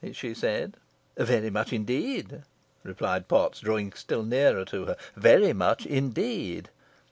she said. "Very much, indeed," replied Potts, drawing still nearer to her. "Very much, indeed."